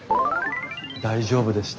大丈夫でした？